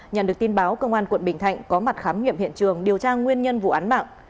nhận được tin báo công an quận bình thạnh có mặt khám nghiệm hiện trường điều tra nguyên nhân vụ án mạng